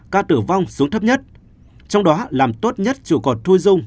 ca tử vong xuống thấp nhất trong đó làm tốt nhất chủ cột thu dung